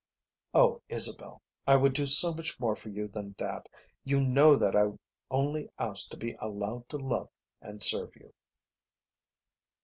"Oh, Isabel, I would do so much more for you than that. You know that I only ask to be allowed to love and serve you."